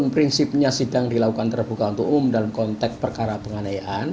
prinsipnya sidang dilakukan terbuka untuk umum dalam konteks perkara penganiayaan